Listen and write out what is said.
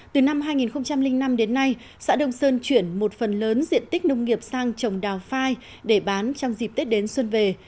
từ năm hai nghìn năm đến nay xã đồng sơn chuyển một phần lớn diện tích nông nghiệp sang trồng đào phai để bán trong dịp tết đến xuân về